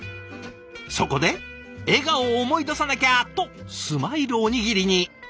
そこで「笑顔を思い出さなきゃ！」とスマイルおにぎりに。